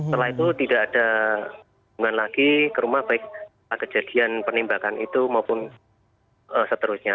setelah itu tidak ada kejadian penembakan itu maupun seterusnya